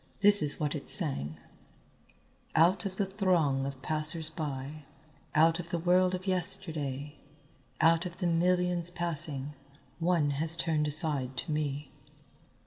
This is what it sang: "Out of the throng of passers by, out of the world of yesterday, out of the millions passing, one has turned aside to me."